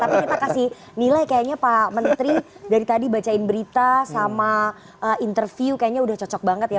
tapi kita kasih nilai kayaknya pak menteri dari tadi bacain berita sama interview kayaknya udah cocok banget ya